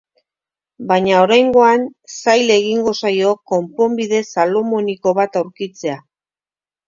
Baina oraingoan zail egingo zaio konponbide salomoniko bat aurkitzea.